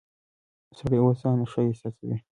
سړی اوس ځان ښه احساسوي.